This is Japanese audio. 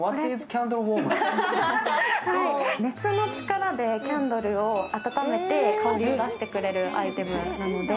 熱の力でキャンドルを温めて香りを出してくれるアイテムなので。